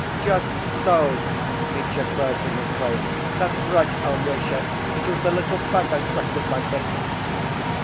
"Just so," Mitya cried from his place. "That's right, Alyosha, it was the little bag I struck with my fist."